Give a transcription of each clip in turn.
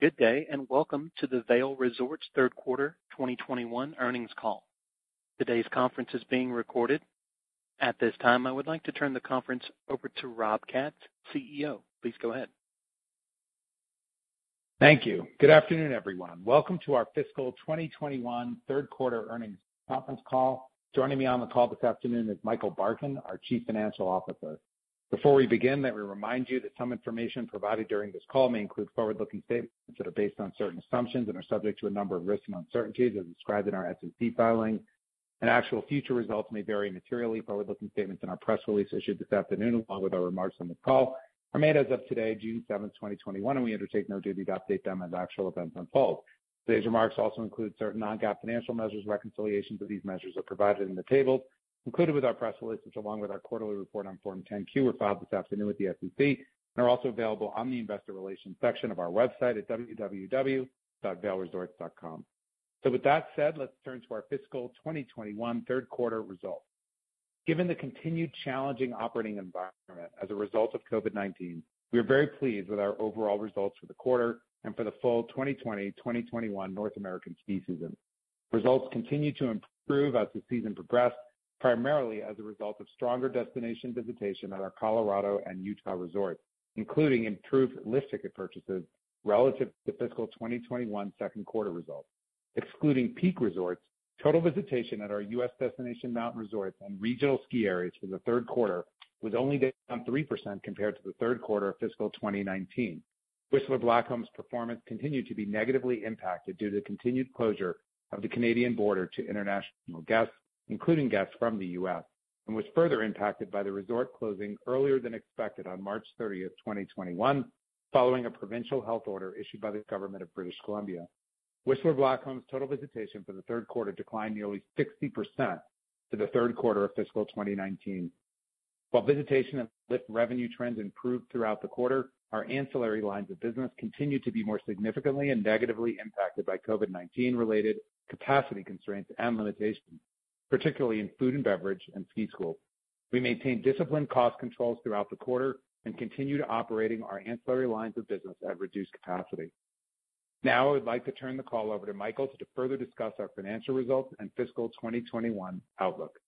Good day. Welcome to the Vail Resorts third quarter 2021 earnings call. Today's conference is being recorded. At this time, I would like to turn the conference over to Rob Katz, Chief Executive Officer. Please go ahead. Thank you. Good afternoon, everyone. Welcome to our fiscal 2021 third quarter earnings conference call. Joining me on the call this afternoon is Michael Barkin, our Chief Financial Officer. Before we begin, let me remind you that some information provided during this call may include forward-looking statements that are based on certain assumptions and are subject to a number of risks and uncertainties as described in our SEC filings, and actual future results may vary materially. Forward-looking statements in our press release issued this afternoon, along with our remarks on the call, are made as of today, June 7th, 2021, and we undertake no duty to update them as actual events unfold. Today's remarks also include certain non-GAAP financial measures. Reconciliations of these measures are provided in the tables included with our press release, which along with our quarterly report on Form 10-Q, were filed this afternoon with the SEC and are also available on the investor relations section of our website at www.vailresorts.com. With that said, let's turn to our fiscal 2021 third quarter results. Given the continued challenging operating environment as a result of COVID-19, we are very pleased with our overall results for the quarter and for the full 2020-2021 North American ski season. Results continued to improve as the season progressed, primarily as a result of stronger destination visitation at our Colorado and Utah resorts, including improved lift ticket purchases relative to fiscal 2021 second quarter results. Excluding Peak Resorts, total visitation at our U.S. destination mountain resorts and regional ski areas for the third quarter was only down 3% compared to the third quarter of fiscal 2019. Whistler Blackcomb's performance continued to be negatively impacted due to the continued closure of the Canadian border to international guests, including guests from the U.S., and was further impacted by the resort closing earlier than expected on March 30th, 2021, following a provincial health order issued by the government of British Columbia. Whistler Blackcomb's total visitation for the third quarter declined nearly 60% to the third quarter of fiscal 2019. While visitation and lift revenue trends improved throughout the quarter, our ancillary lines of business continued to be more significantly and negatively impacted by COVID-19 related capacity constraints and limitations, particularly in food and beverage and Ski School. We maintained disciplined cost controls throughout the quarter and continued operating our ancillary lines of business at reduced capacity. I would like to turn the call over to Michael to further discuss our financial results and fiscal 2021 outlook.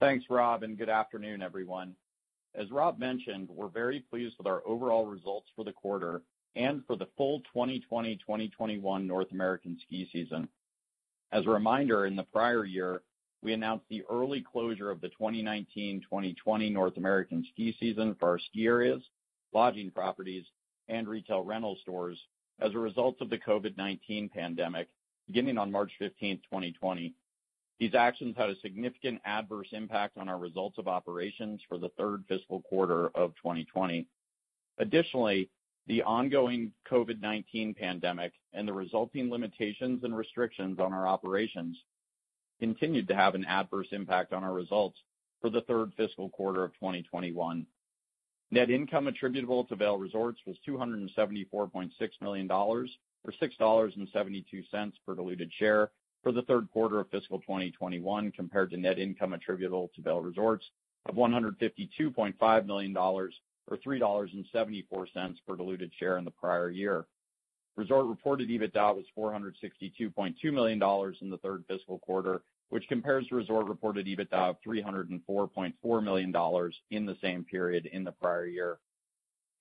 Thanks, Rob, and good afternoon, everyone. As Rob mentioned, we're very pleased with our overall results for the quarter and for the full 2020-2021 North American ski season. As a reminder, in the prior year, we announced the early closure of the 2019-2020 North American ski season for our ski areas, lodging properties, and retail rental stores as a result of the COVID-19 pandemic beginning on March 15th, 2020. These actions had a significant adverse impact on our results of operations for the third fiscal quarter of 2020. Additionally, the ongoing COVID-19 pandemic and the resulting limitations and restrictions on our operations continued to have an adverse impact on our results for the third fiscal quarter of 2021. Net income attributable to Vail Resorts was $274.6 million, or $6.72 per diluted share for the third quarter of fiscal 2021, compared to net income attributable to Vail Resorts of $152.5 million, or $3.74 per diluted share in the prior year. Resort-reported EBITDA was $462.2 million in the third fiscal quarter, which compares to resort-reported EBITDA of $304.4 million in the same period in the prior year.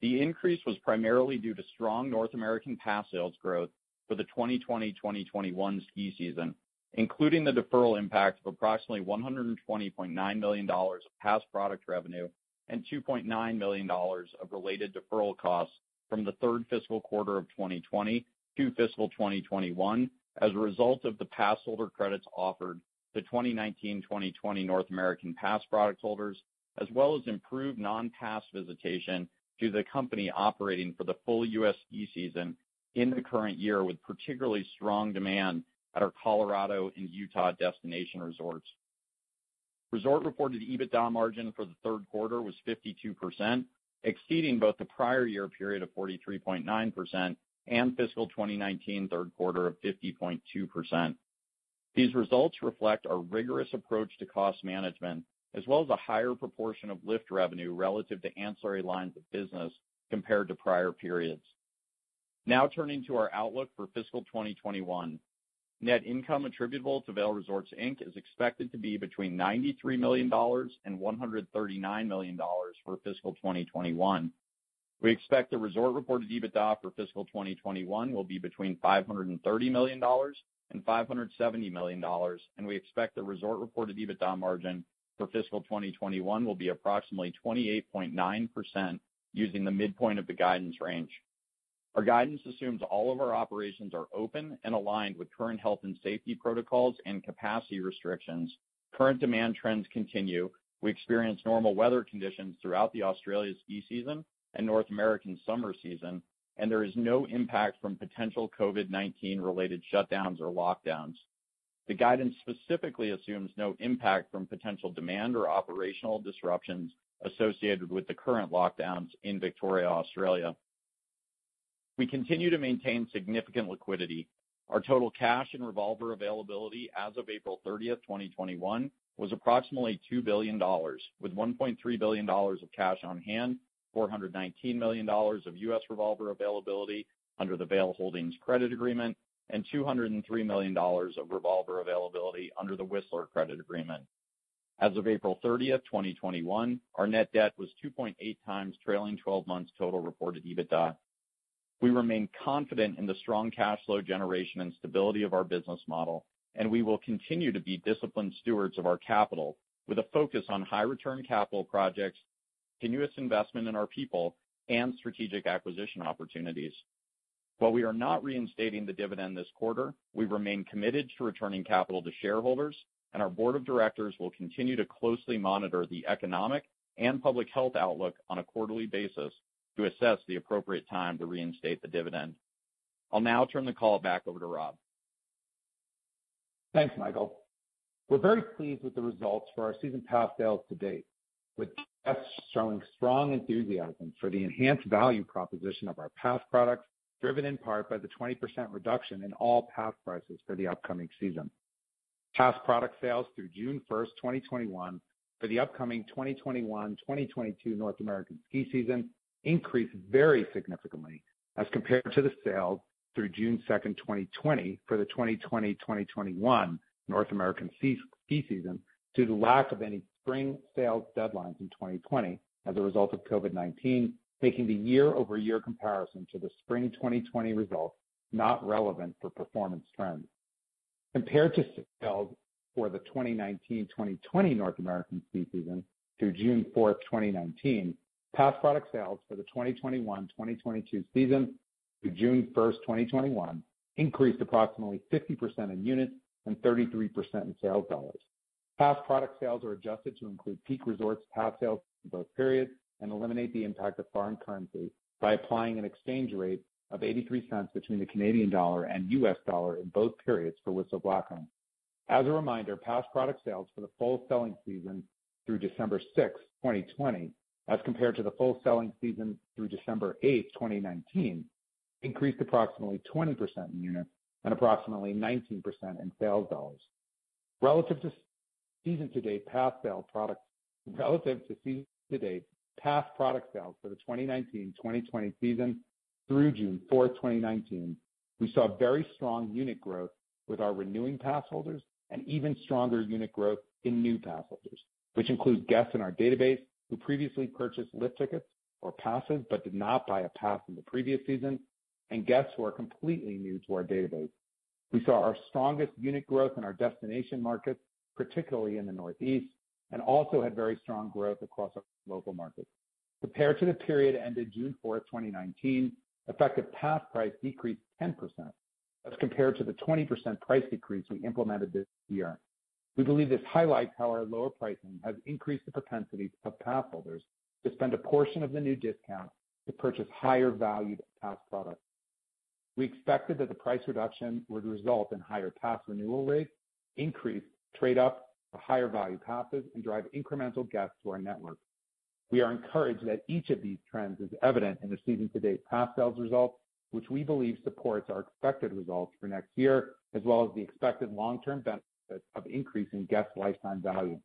The increase was primarily due to strong North American Pass sales growth for the 2020-2021 ski season, including the deferral impact of approximately $120.9 million of Pass product revenue and $2.9 million of related deferral costs from the third fiscal quarter of 2020 to fiscal 2021 as a result of the Pass holder credits offered to 2019-2020 North American Pass Product holders, as well as improved non-pass visitation to the company operating for the full U.S. ski season in the current year, with particularly strong demand at our Colorado and Utah destination resorts. Resort-reported EBITDA margin for the third quarter was 52%, exceeding both the prior year period of 43.9% and fiscal 2019 third quarter of 50.2%. These results reflect our rigorous approach to cost management, as well as a higher proportion of lift revenue relative to ancillary lines of business compared to prior periods. Turning to our outlook for fiscal 2021. Net income attributable to Vail Resorts, Inc. is expected to be between $93 million and $139 million for fiscal 2021. We expect the resort-reported EBITDA for fiscal 2021 will be between $530 million and $570 million. We expect the resort-reported EBITDA margin for fiscal 2021 will be approximately 28.9% using the midpoint of the guidance range. Our guidance assumes all of our operations are open and aligned with current health and safety protocols and capacity restrictions. Current demand trends continue. We experience normal weather conditions throughout the Australia ski season and North American summer season. There is no impact from potential COVID-19 related shutdowns or lockdowns. The guidance specifically assumes no impact from potential demand or operational disruptions associated with the current lockdowns in Victoria, Australia. We continue to maintain significant liquidity. Our total cash and revolver availability as of April 30th, 2021 was approximately $2 billion, with $1.3 billion of cash on hand, $419 million of U.S. revolver availability under the Vail Holdings Credit Agreement, and $203 million of revolver availability under the Whistler Credit Agreement. As of April 30th, 2021, our net debt was 2.8x trailing 12 months total reported EBITDA. We remain confident in the strong cash flow generation and stability of our business model, and we will continue to be disciplined stewards of our capital with a focus on high return capital projects, continuous investment in our people, and strategic acquisition opportunities. While we are not reinstating the dividend this quarter, we remain committed to returning capital to shareholders, and our board of directors will continue to closely monitor the economic and public health outlook on a quarterly basis to assess the appropriate time to reinstate the dividend. I'll now turn the call back over to Rob. Thanks, Michael. We're very pleased with the results for our season pass sales to date, with guests showing strong enthusiasm for the enhanced value proposition of our pass products, driven in part by the 20% reduction in all pass prices for the upcoming season. Pass product sales through June 1st, 2021, for the upcoming 2021-2022 North American ski season increased very significantly as compared to the sales through June 2nd, 2020, for the 2020-2021 North American ski season due to the lack of any spring sales deadlines in 2020 as a result of COVID-19, making the YoY comparison to the spring 2020 results not relevant for performance trends. Compared to sales for the 2019-2020 North American ski season through June 4th, 2019, pass product sales for the 2021-2022 season through June 1st, 2021, increased approximately 50% in units and 33% in sales dollars. Pass product sales are adjusted to include Peak Resorts pass sales for both periods and eliminate the impact of foreign currency by applying an exchange rate of $0.83 between the Canadian dollar and US dollar in both periods for Whistler Blackcomb. As a reminder, pass product sales for the full selling season through December 6th, 2020, as compared to the full selling season through December 8th, 2019, increased approximately 20% in units and approximately 19% in sales dollars. Relative to season-to-date pass product sales for the 2019-2020 season through June 4th, 2019, we saw very strong unit growth with our renewing pass holders and even stronger unit growth in new pass holders, which include guests in our database who previously purchased lift tickets or passes but did not buy a pass in the previous season, and guests who are completely new to our database. We saw our strongest unit growth in our destination markets, particularly in the Northeast, and also had very strong growth across our local markets. Compared to the period ended June 4th, 2019, effective pass price decreased 10% as compared to the 20% price decrease we implemented this year. We believe this highlights how our lower pricing has increased the propensity of pass holders to spend a portion of the new discount to purchase higher valued pass products. We expected that the price reduction would result in higher pass renewal rates, increase trade-up to higher value passes, and drive incremental guests to our network. We are encouraged that each of these trends is evident in the season-to-date pass sales results, which we believe supports our expected results for next year as well as the expected long-term benefits of increasing guest lifetime value.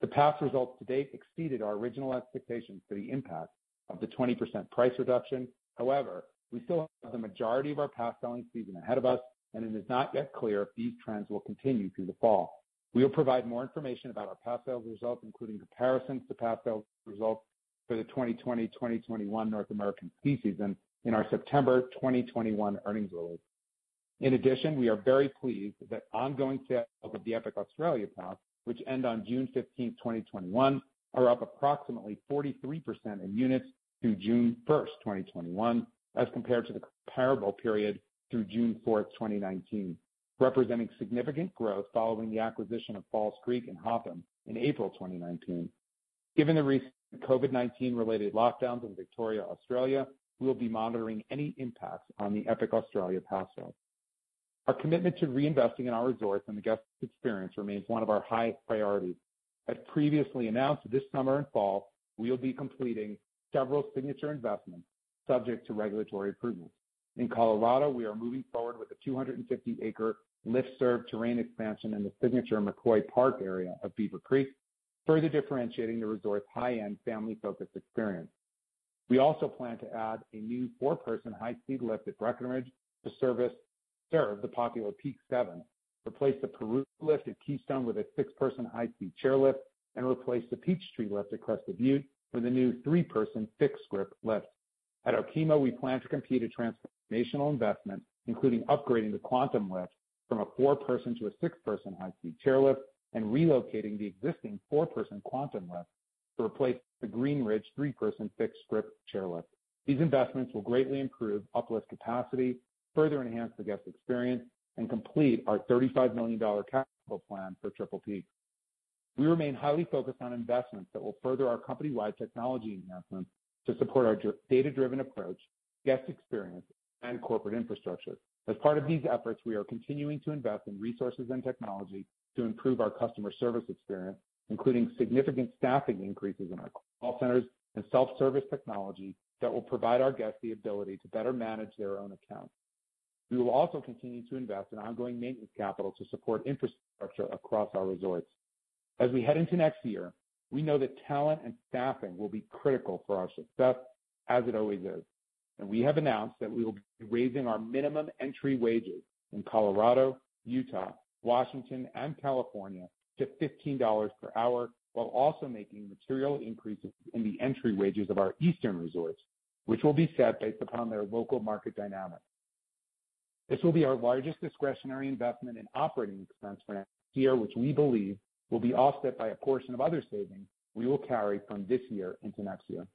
The pass results to date exceeded our original expectations for the impact of the 20% price reduction. However, we still have the majority of our pass selling season ahead of us, and it is not yet clear if these trends will continue through the fall. We'll provide more information about our pass sales results, including comparisons to pass sales results for the 2020-2021 North American ski season, in our September 2021 earnings release. In addition, we are very pleased that ongoing sales of the Epic Australia Pass, which end on June 15th, 2021, are up approximately 43% in units through June 1st, 2021, as compared to the comparable period through June 4th, 2019, representing significant growth following the acquisition of Falls Creek and Hotham in April 2019. Given the recent COVID-19 related lockdowns in Victoria, Australia, we will be monitoring any impact on the Epic Australia Pass sales. Our commitment to reinvesting in our resorts and the guest experience remains one of our highest priorities. As previously announced, this summer and fall, we'll be completing several signature investments subject to regulatory approvals. In Colorado, we are moving forward with a 250 acres lift-served terrain expansion in the signature McCoy Park area of Beaver Creek, further differentiating the resort's high-end family-focused experience. We also plan to add a new four-person high-speed lift at Breckenridge to serve the popular Peak 7, replace the Peru lift at Keystone with a six-person high-speed chairlift, and replace the Peachtree lift at Crested Butte with a new three-person fixed-grip lift. At Okemo, we plan to complete a transformational investment, including upgrading the Quantum lift from a four-person to a six-person high-speed chairlift and relocating the existing four-person Quantum lift to replace the Green Ridge three-person fixed-grip chairlift. These investments will greatly improve uplift capacity, further enhance the guest experience, and complete our $35 million capital plan for Peak Resorts. We remain highly focused on investments that will further our company-wide technology enhancements to support our data-driven approach, guest experience, and corporate infrastructure. As part of these efforts, we are continuing to invest in resources and technology to improve our customer service experience, including significant staffing increases in our call centers and self-service technology that will provide our guests the ability to better manage their own accounts. We will also continue to invest in ongoing maintenance capital to support infrastructure across our resorts. As we head into next year, we know that talent and staffing will be critical for our success, as it always is. We have announced that we will be raising our minimum entry wages in Colorado, Utah, Washington, and California to $15 per hour, while also making material increases in the entry wages of our Eastern resorts, which will be set based upon their local market dynamics. This will be our largest discretionary investment in operating expense for next year, which we believe will be offset by a portion of other savings we will carry from this year into next year.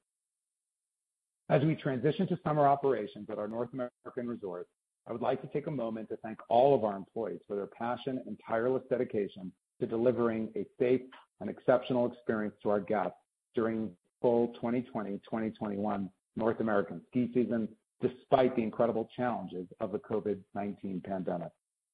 As we transition to summer operations at our North American resorts, I would like to take a moment to thank all of our employees for their passion and tireless dedication to delivering a safe and exceptional experience to our guests during the full 2020-2021 North American ski season, despite the incredible challenges of the COVID-19 pandemic.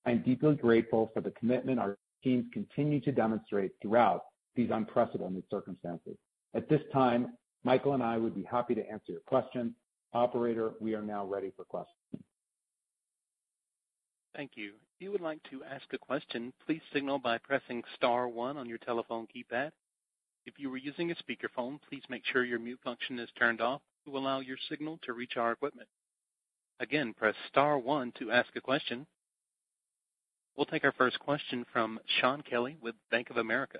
I'm deeply grateful for the commitment our teams continue to demonstrate throughout these unprecedented circumstances. At this time, Michael and I would be happy to answer your questions. Operator, we are now ready for questions. Thank you. If you would like to ask a question, please signal by pressing star one on your telephone keypad. If you are using a speakerphone, please make sure your mute function is turned off to allow your signal to reach our equipment. Again, press star one to ask a question. We'll take our first question from Shaun Kelley with Bank of America.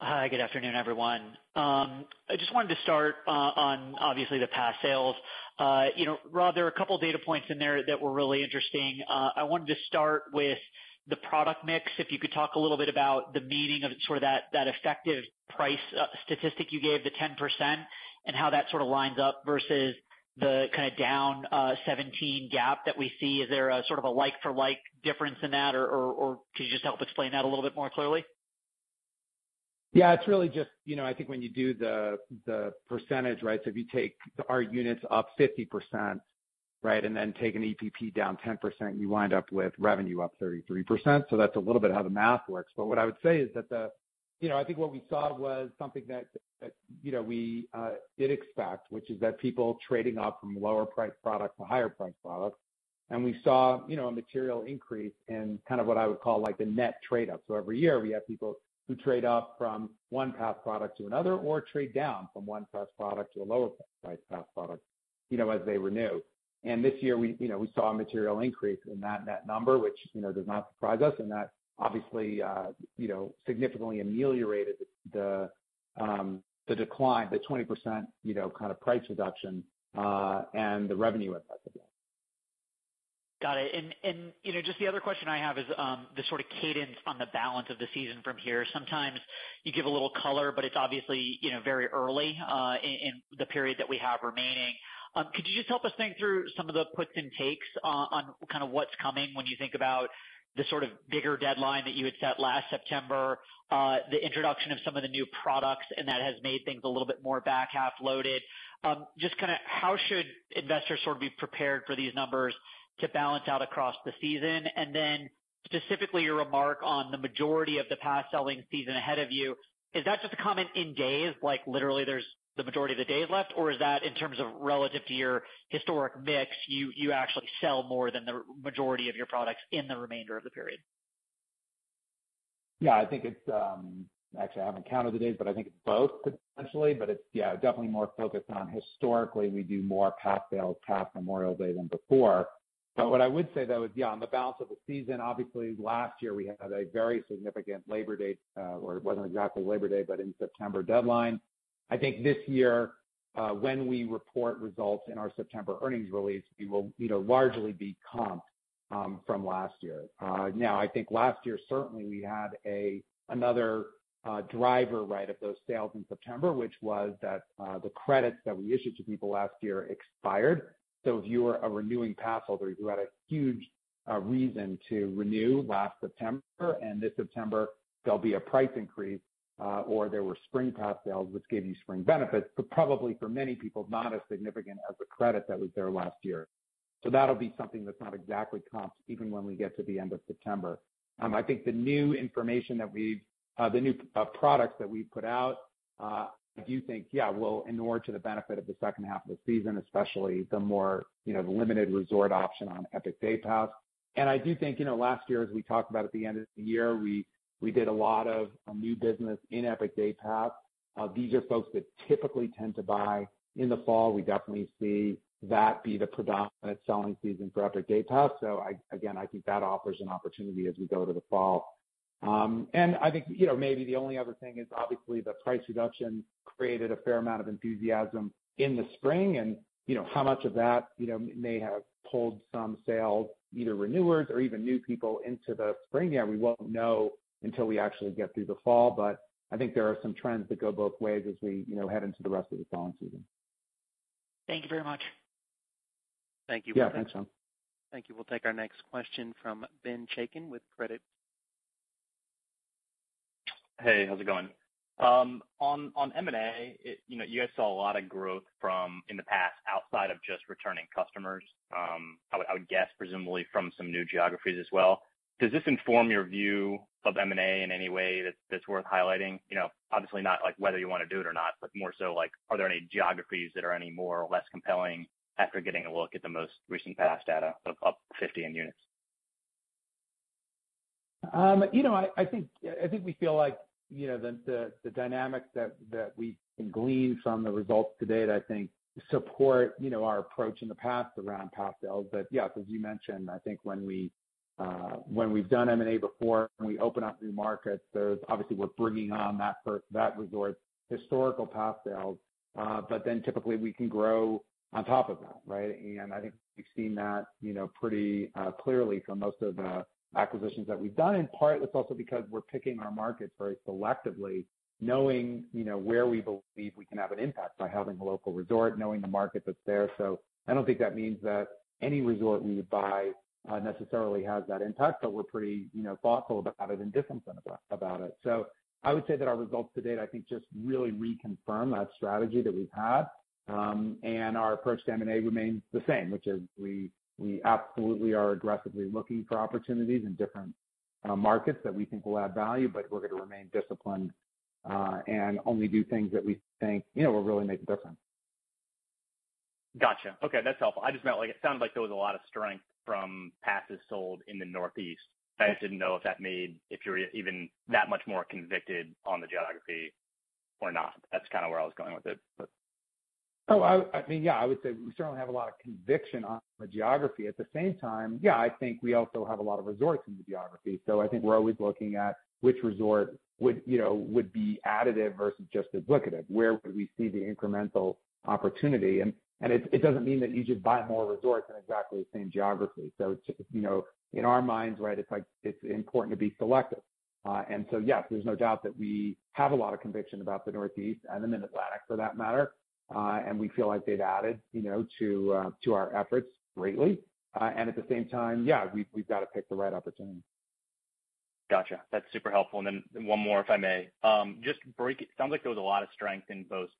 Hi, good afternoon, everyone. I just wanted to start on, obviously, the pass sales. Rob, there are a couple of data points in there that were really interesting. I wanted to start with the product mix. If you could talk a little bit about the meaning of that effective price statistic you gave, the 10%, and how that sort of lines up versus the kind of down 17 gap that we see. Is there a sort of a like-for-like difference in that, or could you just help explain that a little bit more clearly? Yeah, it's really just, I think when you do the percentage, right? If you take our units up 50%, and then take an EPP down 10%, you wind up with revenue up 33%. That's a little bit how the math works. What I would say is that I think what we saw was something that we did expect, which is that people trading up from lower priced products to higher priced products. We saw a material increase in kind of what I would call like the net trade-up. Every year, we have people who trade up from one pass product to another, or trade down from one pass product to a lower priced pass product, as they renew. This year, we saw a material increase in that net number, which does not surprise us, and that obviously significantly ameliorated the decline, the 20% kind of price reduction and the revenue impact of that. Got it. Just the other question I have is the sort of cadence on the balance of the season from here. Sometimes you give a little color, but it's obviously very early in the period that we have remaining. Could you just help us think through some of the puts and takes on kind of what's coming when you think about the sort of bigger deadline that you had set last September, the introduction of some of the new products, and that has made things a little bit more back-half loaded. Just kind of how should investors sort of be prepared for these numbers to balance out across the season? Specifically your remark on the majority of the pass selling season ahead of you, is that just a comment in days, like literally there's the majority of the days left, or is that in terms of relative to your historic mix, you actually sell more than the majority of your products in the remainder of the period? Yeah, I think Actually, I haven't counted the days, but I think it's both potentially. It's definitely more focused on historically, we do more pass sales past Memorial Day than before. What I would say, though, is on the balance of the season, obviously last year we had a very significant Labor Day, or it wasn't exactly Labor Day, but in September deadline. I think this year, when we report results in our September earnings release, we will largely be comped from last year. I think last year, certainly we had another driver of those sales in September, which was that the credits that we issued to people last year expired. If you were a renewing pass holder, you had a huge reason to renew last September, and this September there'll be a price increase, or there were spring pass sales, which gave you spring benefits. Probably for many people, not as significant as the credit that was there last year. That'll be something that's not exactly comped even when we get to the end of September. I think the new products that we put out, I do think, will inure to the benefit of the second half of the season, especially the more limited resort option on Epic Day Pass. I do think, last year, as we talked about at the end of the year, we did a lot of new business in Epic Day Pass. These are folks that typically tend to buy in the fall. We definitely see that be the predominant selling season for Epic Day Pass. Again, I think that offers an opportunity as we go to the fall. I think maybe the only other thing is obviously the price reduction created a fair amount of enthusiasm in the spring, and how much of that may have pulled some sales, either renewers or even new people into the spring yet we won't know until we actually get through the fall. I think there are some trends that go both ways as we head into the rest of the fall season. Thank you very much. Thank you. Yeah, thanks, Shaun. Thank you. We'll take our next question from Ben Chaiken with Credit- Hey, how's it going? On M&A, you guys saw a lot of growth from in the past outside of just returning customers. I would guess presumably from some new geographies as well. Does this inform your view of M&A in any way that's worth highlighting? Obviously not like whether you want to do it or not, but more so like, are there any geographies that are any more or less compelling after getting a look at the most recent pass data of up to 15 units? I think we feel like the dynamic that we can glean from the results to date, I think, support our approach in the past around pass sales. Yeah, as you mentioned, I think when we've done M&A before, when we open up new markets, obviously we're bringing on that resort's historical pass sales, but then typically we can grow on top of that, right? I think we've seen that pretty clearly for most of the acquisitions that we've done. In part, that's also because we're picking our markets very selectively, knowing where we believe we can have an impact by having a local resort, knowing the market that's there. I don't think that means that any resort we buy necessarily has that impact, but we're pretty thoughtful about it and disciplined about it. I would say that our results to date, I think, just really reconfirm that strategy that we've had. Our approach to M&A remains the same, which is we absolutely are aggressively looking for opportunities in different markets that we think will add value, but we're going to remain disciplined and only do things that we think will really make a difference. Got you. Okay, that's helpful. It sounded like there was a lot of strength from passes sold in the Northeast. I just didn't know if you're even that much more convicted on the geography or not. That's kind of where I was going with it. I think, yeah, I would say we certainly have a lot of conviction on the geography. At the same time, yeah, I think we also have a lot of resorts in the geography. I think we're always looking at which resort would be additive versus just duplicative, where would we see the incremental opportunity? It doesn't mean that you should buy more resorts in exactly the same geography. It's just, in our minds, right, it's important to be selective. Yeah, there's no doubt that we have a lot of conviction about the Northeast and the Mid-Atlantic for that matter, and we feel like they've added to our efforts greatly. At the same time, yeah, we've got to pick the right opportunity. Got you. That's super helpful. Then one more, if I may. It sounds like there was a lot of strength in both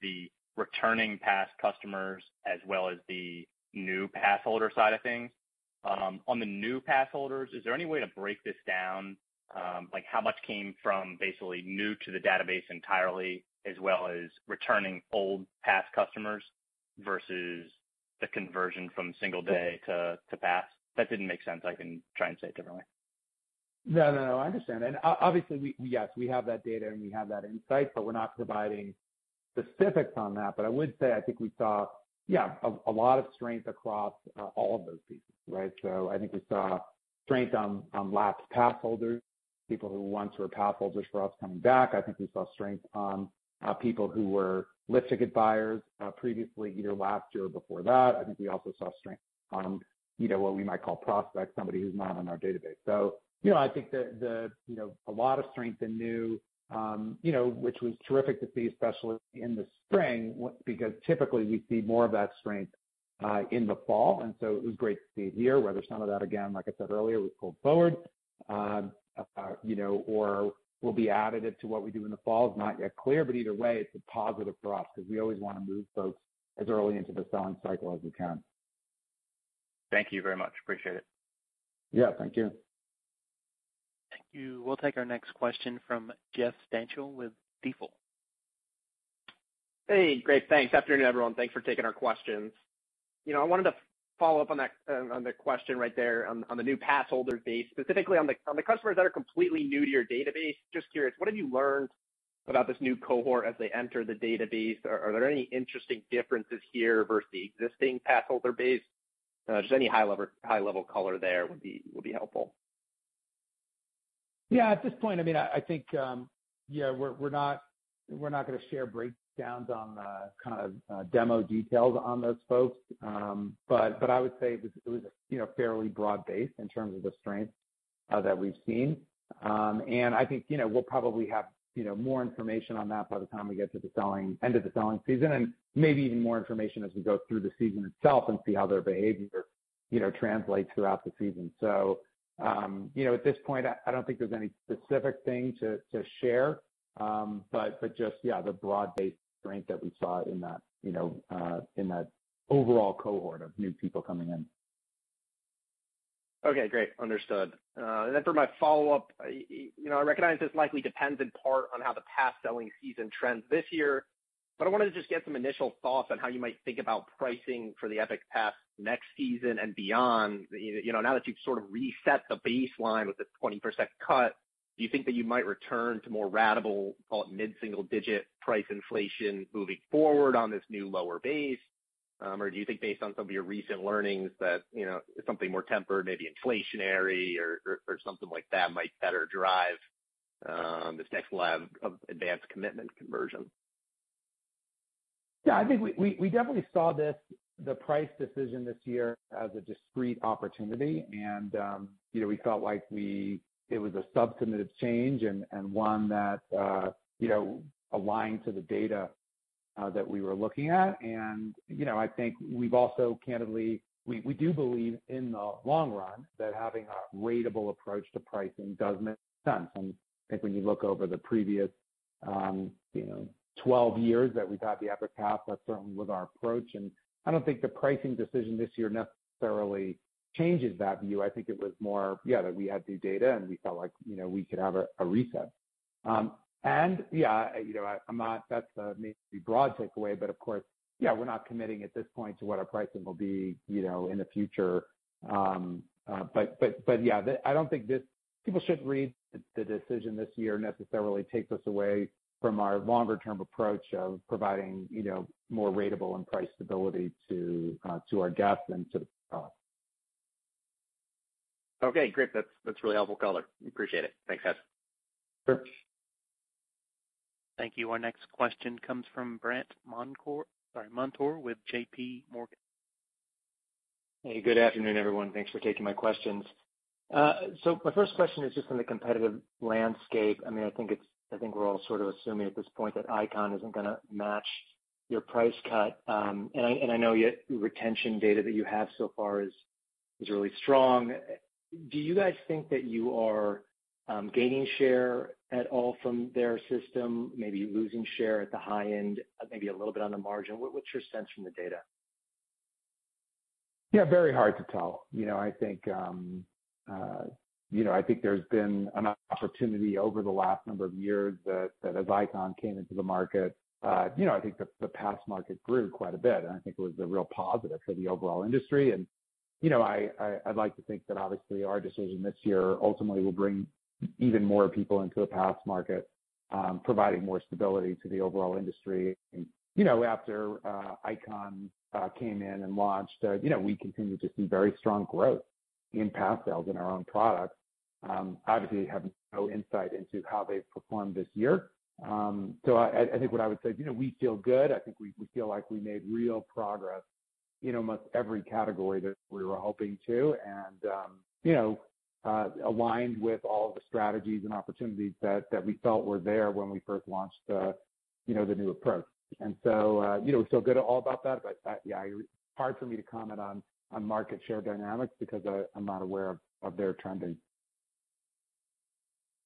the returning pass customers as well as the new pass holder side of things. On the new pass holders, is there any way to break this down? Like how much came from basically new to the database entirely, as well as returning old pass customers versus the conversion from single day to pass? If that didn't make sense, I can try and say it differently. No, I understand. Obviously, yes, we have that data and we have that insight, but we're not providing specifics on that. I would say I think we saw, yeah, a lot of strength across all of those pieces, right? I think we saw strength on lapsed pass holders, people who once were pass holders for us coming back. I think we saw strength on people who were lift ticket buyers previously, either last year or before that. I think we also saw strength on what we might call prospects, somebody who's not on our database. I think that a lot of strength in new, which was terrific to see, especially in the spring, because typically we see more of that strength in the fall. It was great to see it here. Whether some of that, again, like I said earlier, was pulled forward or will be additive to what we do in the fall is not yet clear, but either way, it's a positive for us because we always want to move folks as early into the selling cycle as we can. Thank you very much. Appreciate it. Yeah, thank you. Thank you. We'll take our next question from Jeffrey Stantial with Stifel. Hey, great. Thanks. Afternoon, everyone. Thanks for taking our questions. I wanted to follow up on that question right there on the new pass holder base, specifically on the customers that are completely new to your database. Just curious, what have you learned about this new cohort as they enter the database? Are there any interesting differences here versus the existing pass holder base? Just any high level color there would be helpful. At this point, I think, we're not going to share breakdowns on the kind of demo details on those folks. I would say it was a fairly broad-based in terms of the strength that we've seen. I think we'll probably have more information on that by the time we get to the end of the selling season, and maybe even more information as we go through the season itself and see how their behavior translates throughout the season. At this point, I don't think there's any specific thing to share. Just, the broad-based strength that we saw in that overall cohort of new people coming in. Okay, great. Understood. Then for my follow-up, I recognize this likely depends in part on how the pass selling season trends this year, but I want to just get some initial thoughts on how you might think about pricing for the Epic Pass next season and beyond. Now that you've sort of reset the baseline with this 20% cut, do you think that you might return to more ratable, call it mid-single digit price inflation moving forward on this new lower base? Do you think based on some of your recent learnings that something more tempered, maybe inflationary or something like that might better drive this next lap of advanced commitment conversion? I think we definitely saw the price decision this year as a discrete opportunity, and we felt like it was a substantive change and one that aligned to the data that we were looking at. I think we've also candidly we do believe in the long run that having a ratable approach to pricing does make sense. I think when you look over the previous 12 years that we've had the Epic Pass, that's certainly been our approach, and I don't think the pricing decision this year necessarily changes that view. I think it was more that we had new data and we felt like we could have a reset. That's a maybe broad takeaway, but of course, we're not committing at this point to what our pricing will be in the future. Yeah, I don't think people should read the decision this year necessarily takes away from our longer-term approach of providing more ratable and price stability to our guests and to the top. Okay, great. That's really helpful color. Appreciate it. Thanks, guys. Sure. Thank you. Our next question comes from Brandt Montour with J.P. Morgan. Hey, good afternoon, everyone. Thanks for taking my questions. My first question is just on the competitive landscape. I think we're all sort of assuming at this point that Ikon isn't going to match your price cut. I know your retention data that you have so far is really strong. Do you guys think that you are gaining share at all from their system, maybe losing share at the high end, maybe a little down the margin? What's your sense from the data? Yeah, very hard to tell. I think there's been an opportunity over the last number of years that as Ikon came into the market, I think the pass market grew quite a bit, and I think it was a real positive for the overall industry. I'd like to think that obviously our decision this year ultimately will bring even more people into the pass market, providing more stability to the overall industry. After Ikon came in and launched, we continued to see very strong growth in pass sales in our own products. Obviously, having no insight into how they've performed this year. I think what I would say, we feel good. I think we feel like we made real progress, in almost every category that we were hoping to, and aligned with all the strategies and opportunities that we felt were there when we first launched the new approach. We feel good at all about that. Yeah, it's hard for me to comment on market share dynamics because I'm not aware of their trending.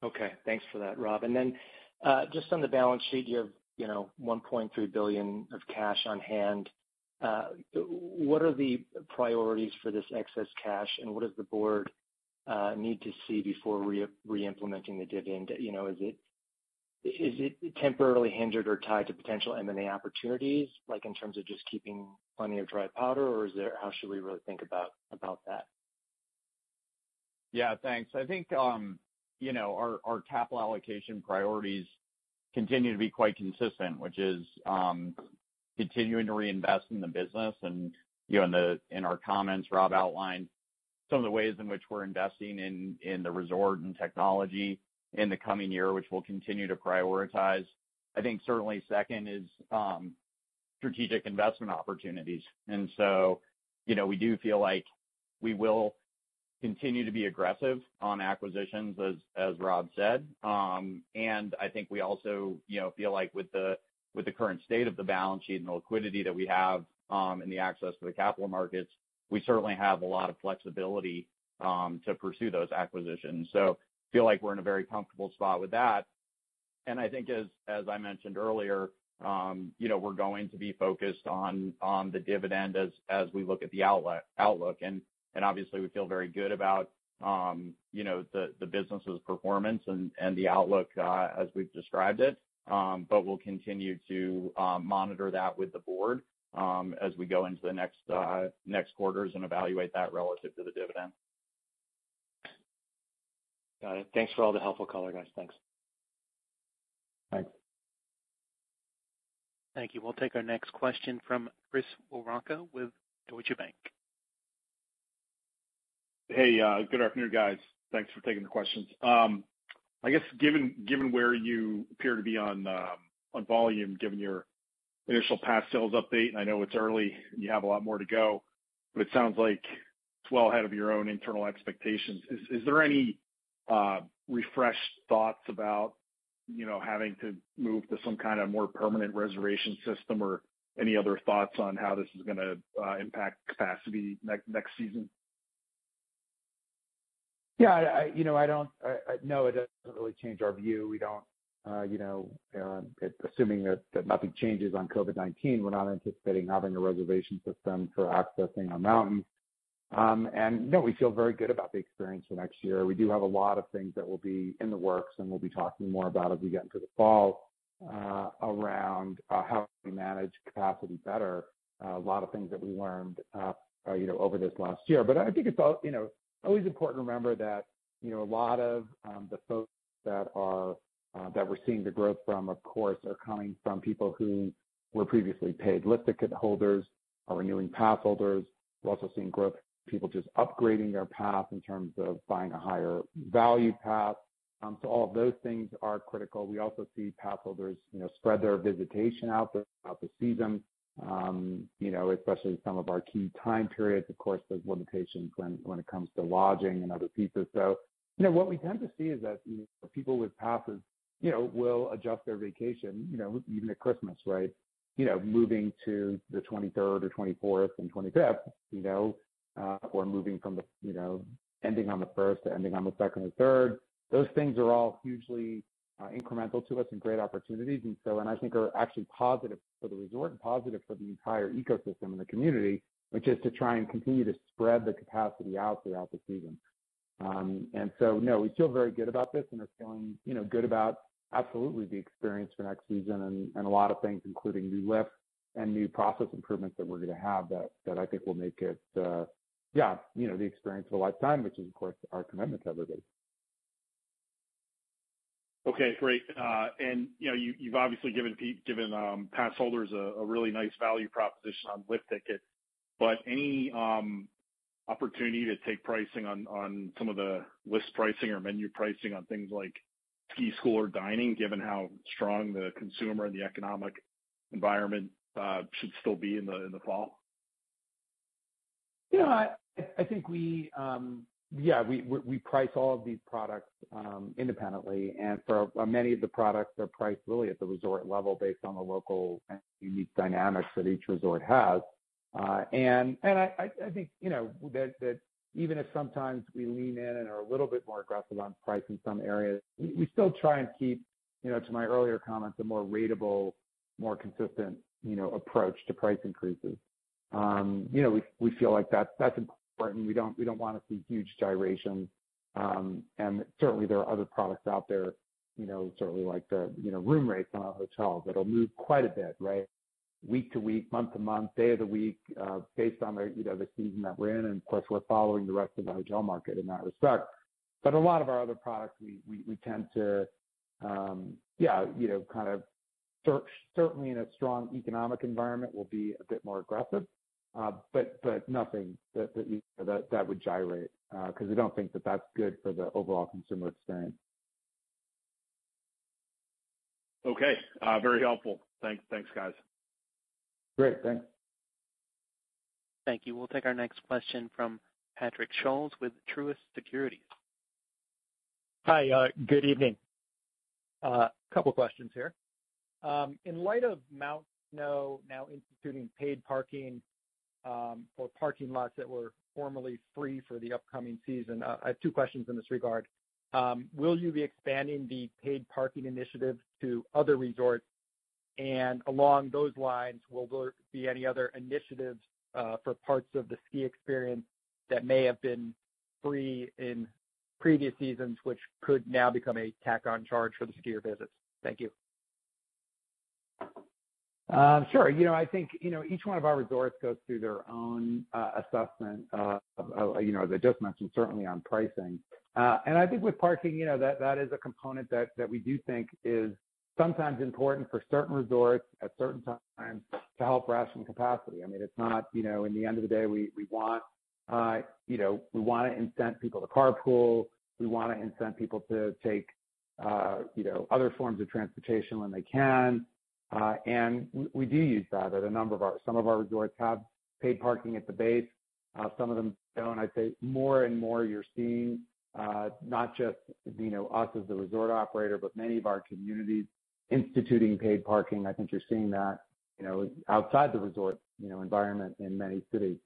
Okay. Thanks for that, Rob. Just on the balance sheet, you have $1.3 billion of cash on hand. What are the priorities for this excess cash, and what does the board need to see before re-implementing the dividend? Is it temporarily hindered or tied to potential M&A opportunities, like in terms of just keeping plenty of dry powder, or how should we really think about that? Yeah, thanks. I think, our capital allocation priorities continue to be quite consistent, which is continuing to reinvest in the business. In our comments, Rob outlined some of the ways in which we're investing in the resort and technology in the coming year, which we'll continue to prioritize. I think certainly second is strategic investment opportunities. We do feel like we will continue to be aggressive on acquisitions as Rob said. I think we also feel like with the current state of the balance sheet and the liquidity that we have and the access to the capital markets, we certainly have a lot of flexibility to pursue those acquisitions. Feel like we're in a very comfortable spot with that. I think as I mentioned earlier, we're going to be focused on the dividend as we look at the outlook. Obviously, we feel very good about the business's performance and the outlook as we've described it. We'll continue to monitor that with the board as we go into the next quarters and evaluate that relative to the dividend. Got it. Thanks for all the helpful color, guys. Thanks. Thanks. Thank you. We'll take our next question from Chris Woronka with Deutsche Bank. Hey, good afternoon, guys. Thanks for taking the questions. I guess given where you appear to be on volume, given your initial pass sales update, I know it's early and you have a lot more to go, but it sounds like it's well ahead of your own internal expectations. Is there any refreshed thoughts about having to move to some kind of more permanent reservation system or any other thoughts on how this is going to impact capacity next season? Yeah, no, it doesn't really change our view. Assuming that nothing changes on COVID-19, we're not anticipating having a reservation system for accessing our mountains. No, we feel very good about the experience for next year. We do have a lot of things that will be in the works and we'll be talking more about as we get into the fall around how we manage capacity better. A lot of things that we learned over this last year. I think it's always important to remember that a lot of the folks that we're seeing the growth from, of course, are coming from people who were previously paid lift ticket holders or renewing pass holders. We're also seeing growth from people just upgrading their pass in terms of buying a higher value pass. All of those things are critical. We also see pass holders spread their visitation out throughout the season, especially some of our key time periods. Of course, there's limitations when it comes to lodging and other pieces. What we tend to see is that people with passes will adjust their vacation, even at Christmas, right? Moving to the 23rd or 24th and 25th, or ending on the first or ending on the second or third. Those things are all hugely incremental to us and great opportunities. I think are actually positive for the resort and positive for the entire ecosystem in the community, which is to try and continue to spread the capacity out throughout the season. No, we feel very good about this and are feeling good about absolutely the experience for next season and a lot of things, including new lifts and new process improvements that we're going to have that I think will make it the experience of a lifetime, which is, of course, our commitment to everybody. Okay, great. You've obviously given pass holders a really nice value proposition on lift tickets, but any opportunity to take pricing on some of the list pricing or menu pricing on things like ski school or dining, given how strong the consumer and the economic environment should still be in the fall? Yeah, we price all of these products independently. For many of the products, they're priced really at the resort level based on the local and unique dynamics that each resort has. I think, that even if sometimes we lean in and are a little bit more aggressive on price in some areas, we still try and keep, to my earlier comments, a more ratable, more consistent approach to price increases. We feel like that's important. We don't want to see huge gyrations. Certainly, there are other products out there, certainly like the room rates in a hotel that'll move quite a bit, right? Week to week, month to month, day to week, based on the season that we're in. Of course, we're following the rest of the hotel market in that respect. A lot of our other products, certainly in a strong economic environment, we'll be a bit more aggressive. Nothing that would gyrate, because I don't think that that's good for the overall consumer experience. Okay. Very helpful. Thanks, guys. Great. Thanks. Thank you. We'll take our next question from C. Patrick Scholes with Truist Securities. Hi, good evening. A couple of questions here. In light of Mount Snow now instituting paid parking for parking lots that were formerly free for the upcoming season, I have two questions in this regard. Will you be expanding the paid parking initiatives to other resorts? Along those lines, will there be any other initiatives for parts of the ski experience that may have been free in previous seasons, which could now become a tack-on charge for the skier visits? Thank you. Sure. I think, each one of our resorts goes through their own assessment of adjustments and certainly on pricing. I think with parking, that is a component that we do think is sometimes important for certain resorts at certain times to help ration capacity. In the end of the day, we want to incent people to carpool. We want to incent people to take other forms of transportation when they can. We do use that at a number of our some of our resorts have paid parking at the base. Some of them don't. I'd say more and more, you're seeing, not just us as a resort operator, but many of our communities instituting paid parking. I think you're seeing that outside the resort environment in many cities.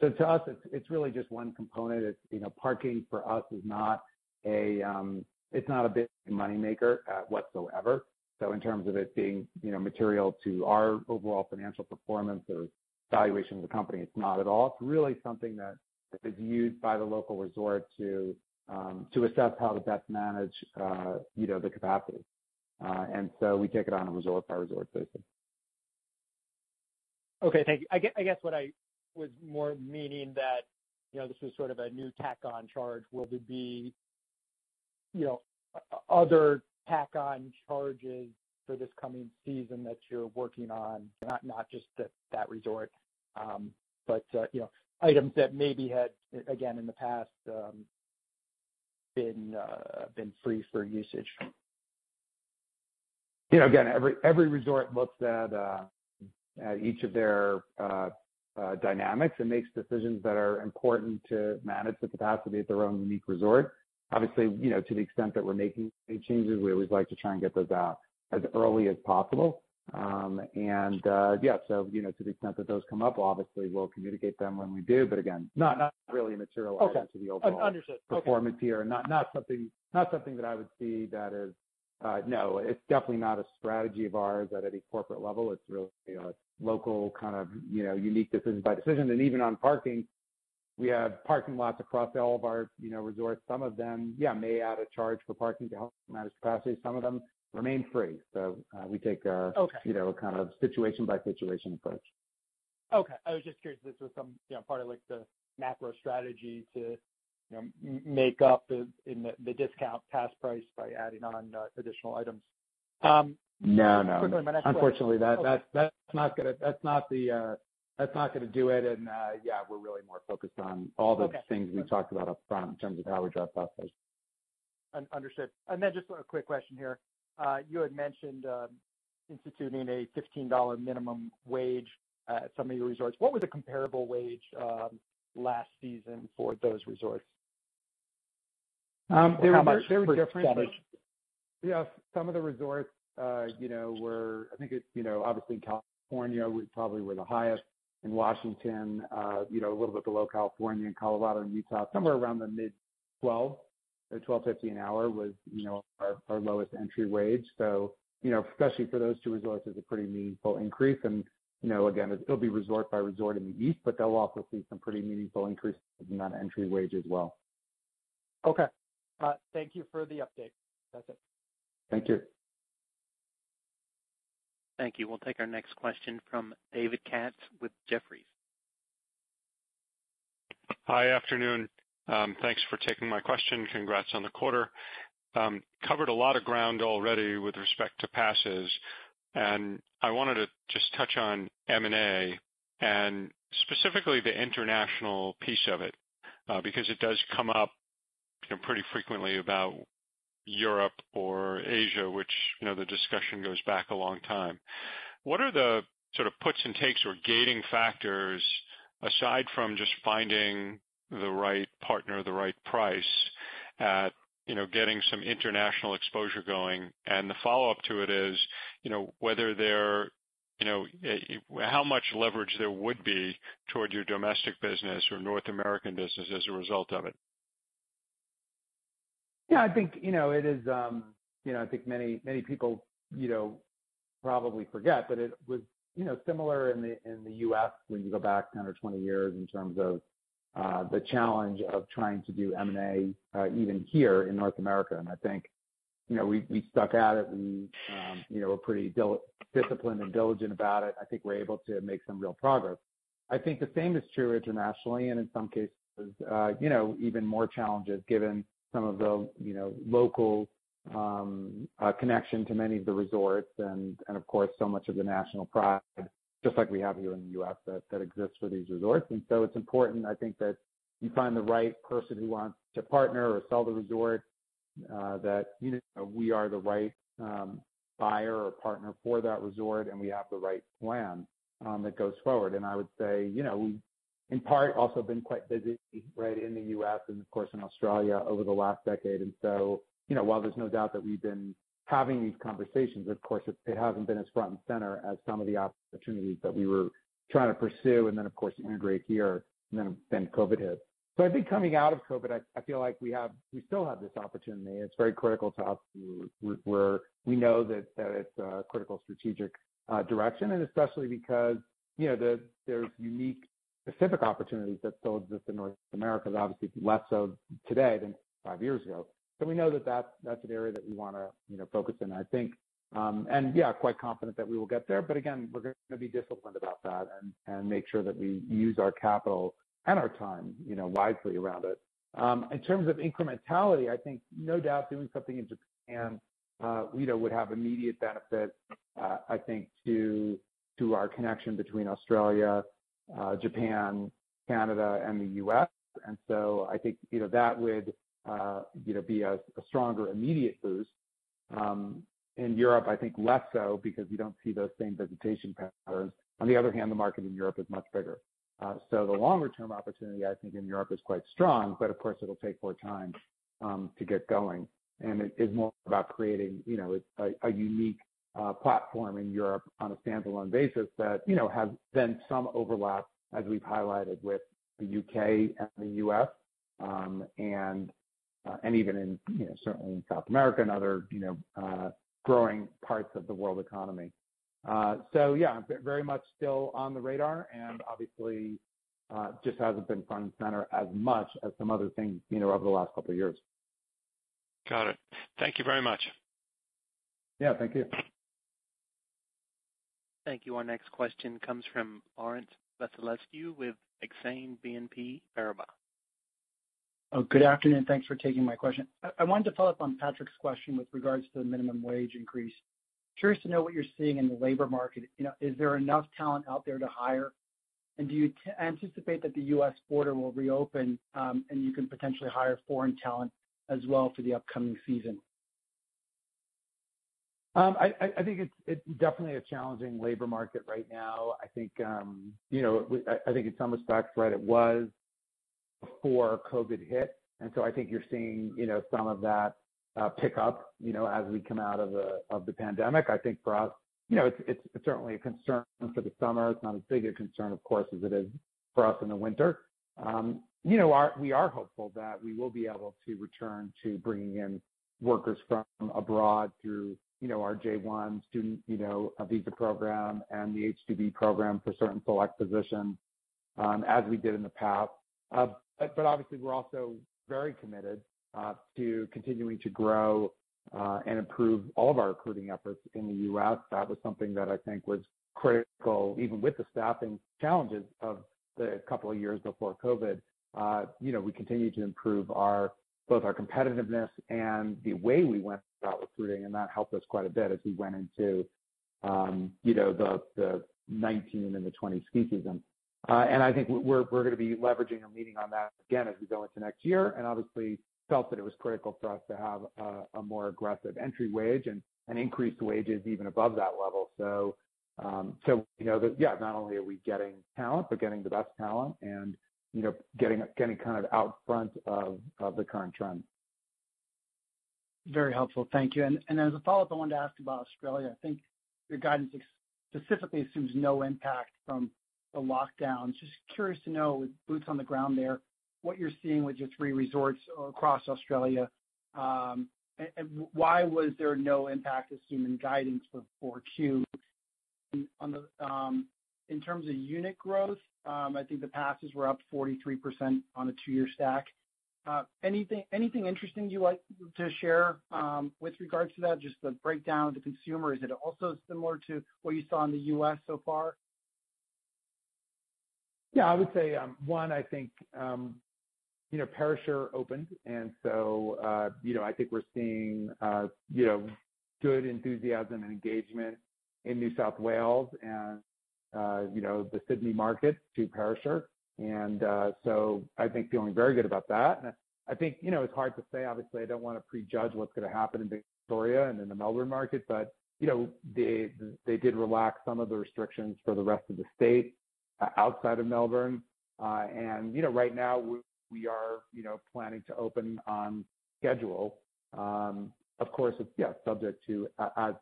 To us, it's really just one component. Parking for us is not a big money maker whatsoever. In terms of it being material to our overall financial performance or valuation of the company, it's not at all. It's really something that is used by the local resort to assess how best to manage the capacity. We take it on a resort-by-resort basis. Okay, thank you. I guess what I was more meaning that this was sort of a new tack-on charge. Will there be other tack-on charges for this coming season that you're working on? Not just at that resort, but items that maybe had, again, in the past, been free for usage. Every resort looks at each of their dynamics and makes decisions that are important to manage the capacity at their own unique resort. Obviously, to the extent that we're making any changes, we always like to try and get those out as early as possible. Yeah, to the extent that those come up, obviously, we'll communicate them when we do. Again, not really material to the overall performance here. Understood. Okay. Not something that I would see. No, it's definitely not a strategy of ours at any corporate level. It's really a local kind of unique decision by decision. Even on parking, we have parking lots across all of our resorts. Some of them- Yeah. ...may add a charge for parking to help manage capacity. Some of them remain free. Okay. Kind of situation by situation approach. Okay. I was just curious if this was some part of the macro strategy to make up the discount pass price by adding on additional items. No, no. From the macro approach. Unfortunately, that's not going to do it. Yeah, we're really more focused on all the things we talked about up front in terms of how we drive that. Understood. Just a quick question here. You had mentioned instituting a $15 minimum wage at some of your resorts. What was the comparable wage last season for those resorts? How much of a difference? Yeah, some of the resorts were, I think it's obviously California probably were the highest. In Washington, a little bit below California and Colorado and Utah, somewhere around the mid-12. The $12.50 an hour was our lowest entry wage. Especially for those two resorts, it's a pretty meaningful increase, and again, it'll be resort by resort in the East, but they'll also see some pretty meaningful increases in that entry wage as well. Okay. Thank you for the update. That's it. Thank you. Thank you. We'll take our next question from David Katz with Jefferies. Hi. Afternoon. Thanks for taking my question. Congrats on the quarter. Covered a lot of ground already with respect to passes, and I wanted to just touch on M&A and specifically the international piece of it because it does come up pretty frequently about Europe or Asia, which the discussion goes back a long time. What are the sort of puts and takes or gating factors aside from just finding the right partner, the right price at getting some international exposure going? The follow-up to it is how much leverage there would be towards your domestic business or North American business as a result of it? Yeah, I think many people probably forget. It was similar in the U.S. when you go back 10 or 20 years in terms of the challenge of trying to do M&A even here in North America. I think we stuck at it. We're pretty disciplined and diligent about it. I think we're able to make some real progress. I think the same is true internationally. In some cases even more challenges given some of the local connection to many of the resorts and of course, so much of the national pride, just like we have here in the U.S. that exists for these resorts. It's important, I think, that you find the right person who wants to partner or sell the resort that we are the right buyer or partner for that resort, and we have the right plan that goes forward. I would say, we've in part also been quite busy right in the U.S. and of course in Australia over the last decade. While there's no doubt that we've been having these conversations, of course, it hasn't been as front and center as some of the opportunities that we were trying to pursue. Then, of course, you integrate here since COVID hit. I think coming out of COVID, I feel like we still have this opportunity, and it's very critical to us where we know that it's a critical strategic direction, and especially because there's unique specific opportunities that still exist in North America. There's obviously less of today than five years ago. We know that's an area that we want to focus in, I think. Yeah, quite confident that we will get there, but again, we're going to be disciplined about that and make sure that we use our capital and our time wisely around it. In terms of incrementality, I think no doubt doing something in Japan would have immediate benefit, I think, to our connection between Australia, Japan, Canada, and the U.S., and so I think that would be a stronger immediate boost. In Europe, I think less so because we don't see those same visitation patterns. On the other hand, the market in Europe is much bigger. The longer-term opportunity, I think in Europe is quite strong, but of course, it'll take more time to get going, and it is more about creating a unique platform in Europe on a standalone basis that has then some overlap, as we've highlighted with the U.K. and the U.S., and even certainly in South America and other growing parts of the world economy. Yeah, very much still on the radar and obviously just hasn't been front and center as much as some other things over the last couple of years. Got it. Thank you very much. Yeah, thank you. Thank you. Our next question comes from Laurent Vasilescu with Exane BNP Paribas. Good afternoon. Thanks for taking my question. I wanted to follow up on Patrick's question with regards to the minimum wage increase. Curious to know what you're seeing in the labor market. Is there enough talent out there to hire, and do you anticipate that the U.S. border will reopen and you can potentially hire foreign talent as well for the upcoming season? I think it's definitely a challenging labor market right now. I think in some respects, right, it was before COVID hit, and so I think you're seeing some of that pick up as we come out of the pandemic. I think for us, it's certainly a concern for the summer. It's not as big a concern, of course, as it is for us in the winter. We are hopeful that we will be able to return to bringing in workers from abroad through our J-1 student visa program and the H-2B program for certain select positions as we did in the past. Obviously, we're also very committed to continuing to grow and improve all of our recruiting efforts in the U.S. That was something that I think was critical even with the staffing challenges of the couple of years before COVID. We continue to improve both our competitiveness and the way we went about recruiting. That helped us quite a bit as we went into the 2019 and the 2020 ski season. I think we're going to be leveraging and leaning on that again as we go into next year and obviously felt that it was critical for us to have a more aggressive entry wage and increase wages even above that level. Yeah, not only are we getting talent, but getting the best talent and getting kind of out front of the current trends. Very helpful. Thank you. As a follow-up, I wanted to ask about Australia. I think your guidance specifically assumes no impact from the lockdown. Just curious to know, with boots on the ground there, what you're seeing with your three resorts across Australia, and why was there no impact assumed in guidance for 4Q? In terms of unit growth, I think the passes were up 43% on a two-year stack. Anything interesting you'd like to share with regards to that? Just the breakdown of the consumer. Is it also similar to what you saw in the U.S. so far? Yeah, I would say, one, I think Perisher opened. I think we're seeing good enthusiasm and engagement in New South Wales and the Sydney market to Perisher. I think feeling very good about that. I think it's hard to say, obviously, I don't want to prejudge what's going to happen in Victoria and in the Melbourne market, but they did relax some of the restrictions for the rest of the state outside of Melbourne. Right now, we are planning to open on schedule. Of course, it's subject to as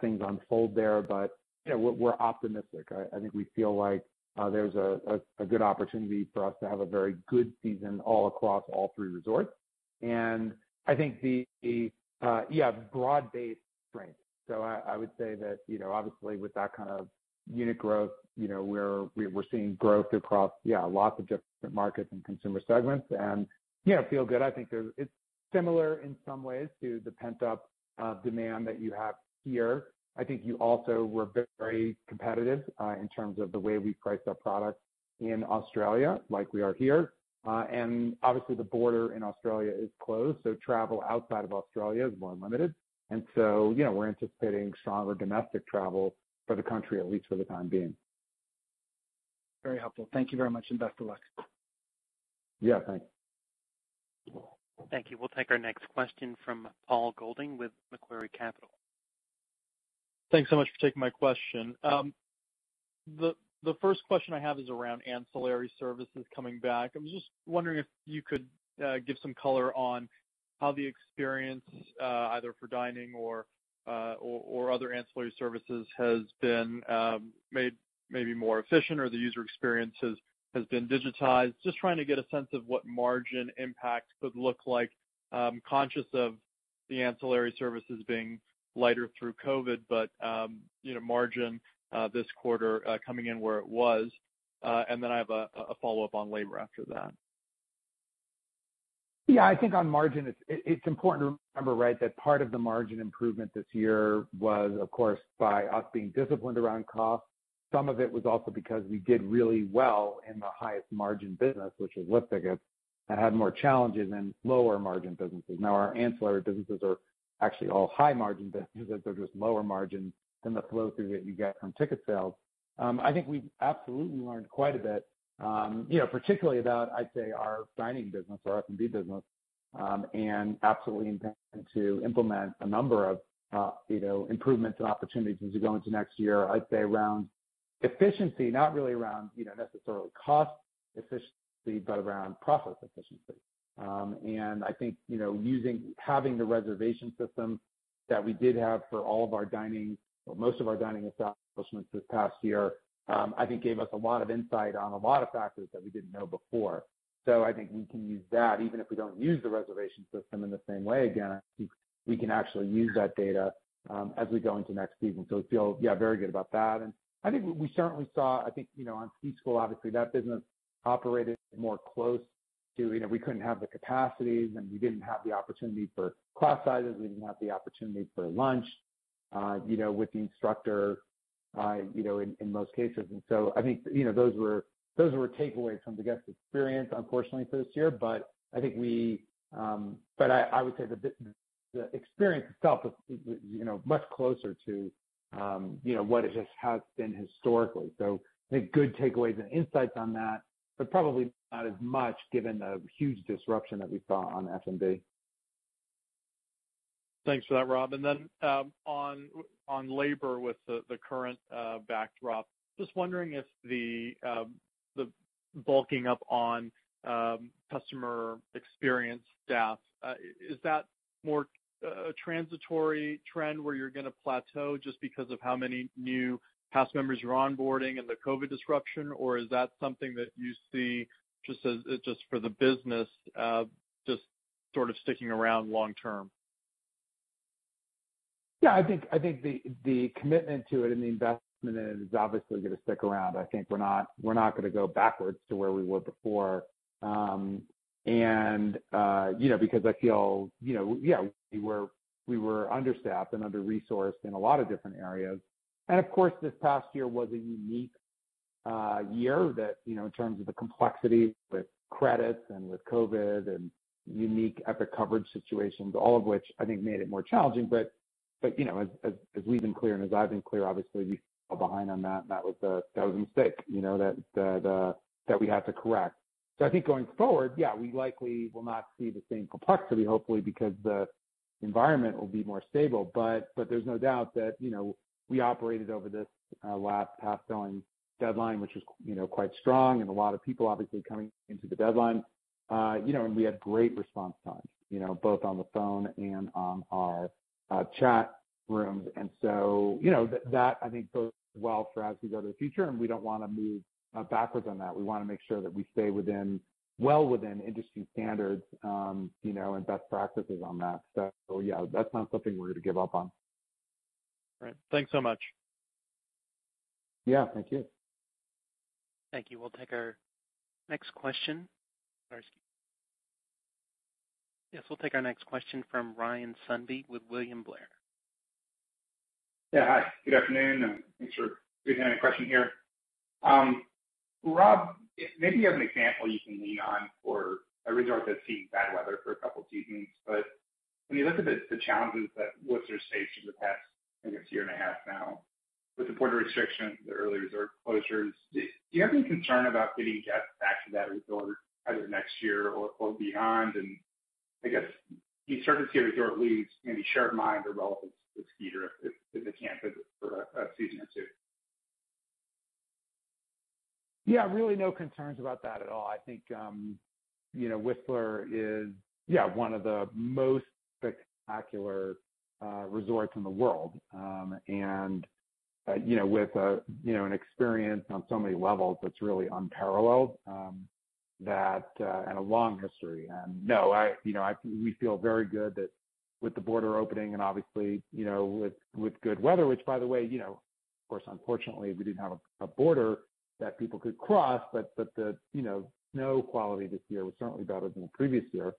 things unfold there, but we're optimistic. I think we feel like there's a good opportunity for us to have a very good season all across all three resorts. I think the broad-based strength. I would say that obviously with that kind of unit growth, we're seeing growth across lots of different markets and consumer segments, and feel good. I think it's similar in some ways to the pent-up demand that you have here. I think you also were very competitive in terms of the way we priced our products in Australia like we are here. Obviously, the border in Australia is closed, so travel outside of Australia is more limited. So, we're anticipating stronger domestic travel for the country, at least for the time being. Very helpful. Thank you very much. Best of luck. Yeah, thanks. Thank you. We'll take our next question from Paul Golding with Macquarie Capital. Thanks so much for taking my question. The first question I have is around ancillary services coming back. I'm just wondering if you could give some color on how the experience, either for dining or other ancillary services, has been made maybe more efficient or the user experience has been digitized. Just trying to get a sense of what margin impact could look like. I'm conscious of the ancillary services being lighter through COVID, margin this quarter coming in where it was. I have a follow-up on labor after that. Yeah, I think on margin, it's important to remember, right, that part of the margin improvement this year was, of course, by us being disciplined around cost. Some of it was also because we did really well in the highest margin business, which was lift tickets, that had more challenges in lower margin businesses. Now, our ancillary businesses are actually all high margin businesses. They're just lower margin than the flow through that you get from ticket sales. I think we absolutely learned quite a bit, particularly about, I'd say, our dining business or F&B business, and absolutely intending to implement a number of improvements and opportunities as we go into next year. I'd say around efficiency, not really around necessarily cost efficiency, but around process efficiency. I think having the reservation system that we did have for all of our dining, or most of our dining establishments this past year, I think gave us a lot of insight on a lot of factors that we didn't know before. I think we can use that, even if we don't use the reservation system in the same way again, I think we can actually use that data as we go into next season. We feel very good about that. I think we certainly saw, I think, on Ski School, obviously, that business operated more. We couldn't have the capacities, and we didn't have the opportunity for class sizes. We didn't have the opportunity for lunch with the instructor in most cases. I think those were takeaways from the guest experience, unfortunately, for this year, but I would say the experience itself was much closer to what it just has been historically. I think good takeaways and insights on that, but probably not as much given the huge disruption that we saw on F&B. Thanks for that, Rob. On labor, with the current backdrop, just wondering if the bulking up on customer experience staff, is that more a transitory trend where you're going to plateau just because of how many new pass members you're onboarding and the COVID-19 disruption? Is that something that you see just for the business, just sort of sticking around long term? Yeah, I think the commitment to it and the investment in it is obviously going to stick around. I think we're not going to go backwards to where we were before, and because I feel we were understaffed and under-resourced in a lot of different areas. Of course, this past year was a unique year that in terms of the complexity with credits and with COVID-19 and unique Epic Coverage situations, all of which I think made it more challenging. As we've been clear and as I've been clear, obviously we fell behind on that, and that was a mistake that we have to correct. I think going forward, yeah, we likely will not see the same complexity, hopefully, because the environment will be more stable. There's no doubt that we operated over this last pass sales deadline, which is quite strong, and a lot of people obviously coming into the deadline. We had great response times, both on the phone and on our chat rooms. That, I think, bodes well for us as we go to the future, and we don't want to move backwards on that. We want to make sure that we stay well within industry standards, and best practices on that. Yeah, that's not something we're going to give up on. All right. Thanks so much. Yeah, thank you. Thank you. We'll take our next question. Yes, we'll take our next question from Ryan Sundby with William Blair. Yeah. Hi, good afternoon, and thanks for taking my question here. Rob, maybe you have an example you can lean on for a resort that's seen bad weather for a couple seasons, but when you look at the challenges that Whistler's faced in the past, I guess year and a half now, with the border restrictions and the earlier resort closures, do you have any concern about getting guests back to that resort either next year or beyond? I guess you started to give it short leads, maybe shared of mind about the skier if they can't visit for a season or two. Yeah. Really no concerns about that at all. I think Whistler is one of the most spectacular resorts in the world. With an experience on so many levels that's really unparalleled, and a long history. No, we feel very good that with the border opening and obviously, with good weather, which by the way, of course, unfortunately, we didn't have a border that people could cross, but the snow quality this year was certainly better than previous years.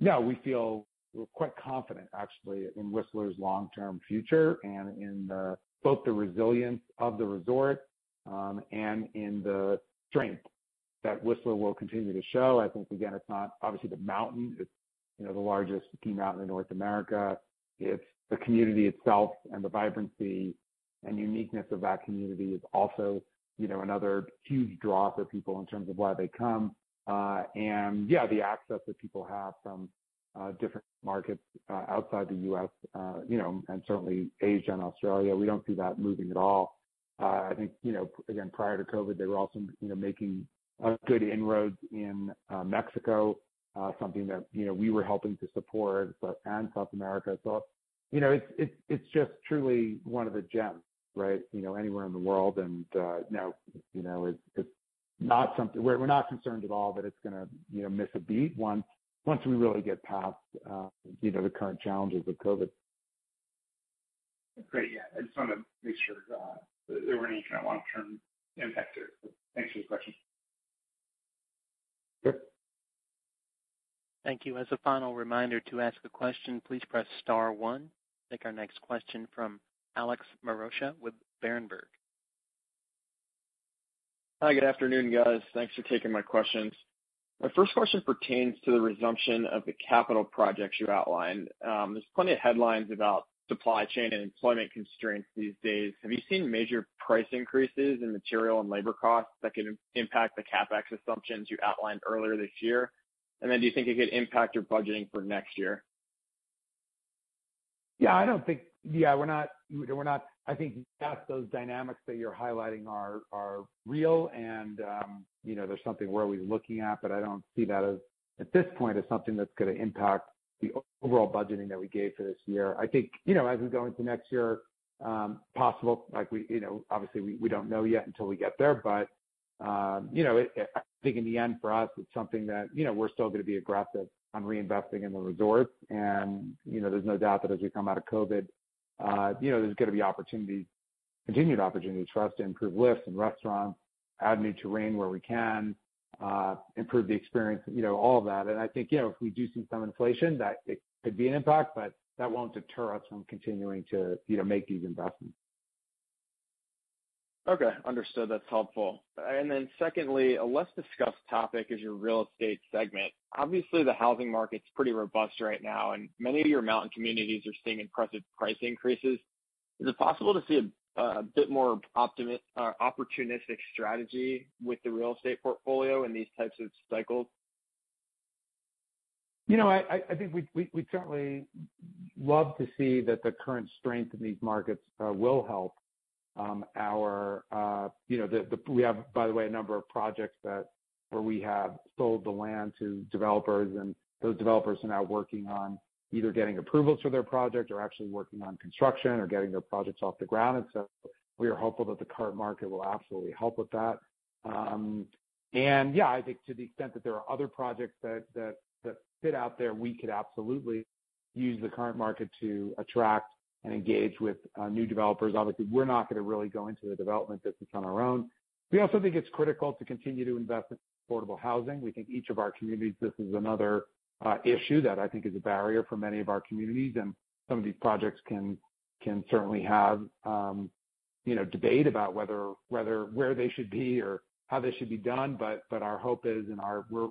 Yeah, we feel quite confident actually, in Whistler's long-term future and in both the resilience of the resort, and in the strength that Whistler will continue to show. I think, again, it's not obviously the mountain. It's the largest ski mountain in North America. It's the community itself and the vibrancy and uniqueness of that community is also another huge draw for people in terms of why they come. Yeah, the access that people have from different markets outside the U.S., and certainly Asia and Australia, we don't see that moving at all. I think, again, prior to COVID, they were also making good inroads in Mexico, something that we were helping to support, and South America as well. It's just truly one of the gems anywhere in the world, no, we're not concerned at all that it's going to miss a beat once we really get past the current challenges with COVID. Great. Yeah. I just wanted to make sure there weren't any kind of long-term impacts there. Thanks for the question. Yep. Thank you. As a final reminder to ask a question, please press star one. Take our next question from Alex Maroccia with Berenberg. Hi, good afternoon, guys. Thanks for taking my questions. My first question pertains to the resumption of the capital projects you outlined. There's plenty of headlines about supply chain and employment constraints these days. Have you seen major price increases in material and labor costs that could impact the CapEx assumptions you outlined earlier this year? Do you think it could impact your budgeting for next year? Yeah, I think those dynamics that you're highlighting are real and there's something we're always looking at, but I don't see that as, at this point, as something that's going to impact the overall budgeting that we gave for this year. I think, as we go into next year, possible, obviously we don't know yet until we get there, but I think in the end for us, it's something that we're still going to be aggressive on reinvesting in the resorts. There's no doubt that as we come out of COVID, there's going to be continued opportunities for us to improve lifts and restaurants, add new terrain where we can, improve the experience, all of that. I think, if we do see some inflation, that it could be an impact, but that won't deter us from continuing to make these investments. Okay. Understood. That's helpful. Secondly, a less discussed topic is your real estate segment. Obviously, the housing market's pretty robust right now, and many of your mountain communities are seeing impressive price increases. Is it possible to see a bit more opportunistic strategy with the real estate portfolio in these types of cycles? I think we'd certainly love to see that the current strength in these markets will help. We have, by the way, a number of projects where we have sold the land to developers, and those developers are now working on either getting approvals for their project or actually working on construction or getting their projects off the ground. We are hopeful that the current market will absolutely help with that. Yeah, I think to the extent that there are other projects that sit out there, we could absolutely use the current market to attract and engage with new developers. Obviously, we're not going to really go into the development business on our own. We also think it's critical to continue to invest in affordable housing. We think each of our communities, this is another issue that I think is a barrier for many of our communities, and some of these projects can certainly have debate about where they should be or how they should be done. Our hope is, and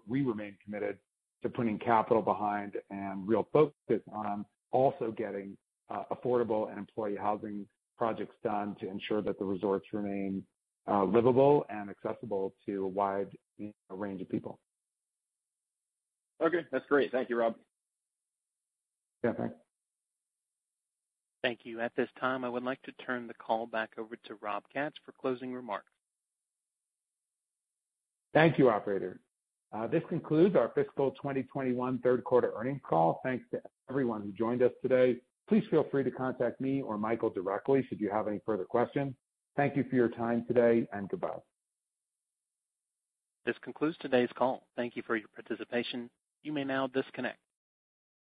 we remain committed to putting capital behind and real focus on also getting affordable employee housing projects done to ensure that the resorts remain livable and accessible to a wide range of people. Okay, that's great. Thank you, Rob. Yeah, thanks. Thank you. At this time, I would like to turn the call back over to Rob Katz for closing remarks. Thank you, operator. This concludes our fiscal 2021 third quarter earnings call. Thanks to everyone who joined us today. Please feel free to contact me or Michael directly should you have any further questions. Thank you for your time today, and goodbye. This concludes today's call. Thank you for your participation. You may now disconnect.